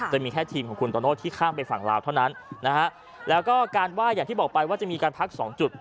จะมีแค่ทีมของคุณโตโน่ที่ข้ามไปฝั่งลาวเท่านั้นนะฮะแล้วก็การไหว้อย่างที่บอกไปว่าจะมีการพักสองจุด